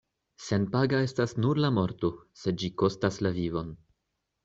Senpaga estas nur la morto, sed ĝi kostas la vivon.